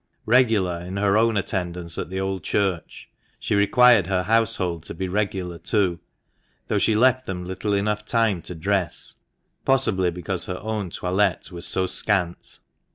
Regular in her own attendance at the old Church, she required her household to be regular too, though she left them little enough time to dress — possibly because her own toilette was so scant.